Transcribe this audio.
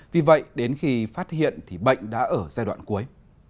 vì vậy đến khi phát hiện thì bệnh đã ở giai đoạn cuối